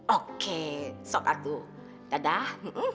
oke sok aku dadah